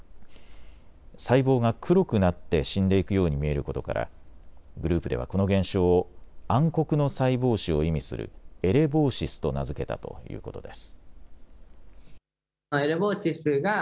細胞が黒くなって死んでいくように見えることからグループではこの現象を暗黒の細胞死を意味するエレボーシスと名付けたということです。